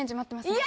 いや！